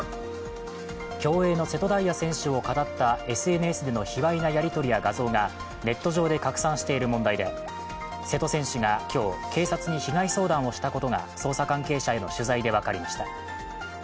競泳の瀬戸大也選手をかたったＳＮＳでの卑わいなやり取りや画像がネット上で拡散している問題で、瀬戸選手が今日、警察に被害相談をしたことが捜査関係者への取材で分かりました。